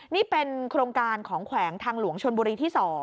นี่เป็นโครงการของแขวงทางหลวงชนบุรีที่๒